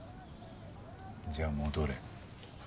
じゃあ戻れ。